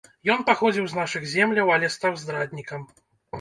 Ён паходзіў з нашых земляў, але стаў здраднікам.